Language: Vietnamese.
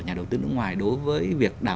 nhà đầu tư nước ngoài đối với việc